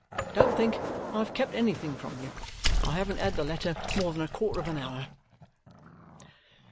Don't think I've kept anything from you. I haven't had the letter more than a quarter of an hour."